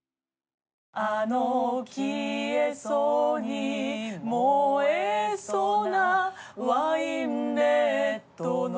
「あの消えそうに燃えそうなワインレッドの」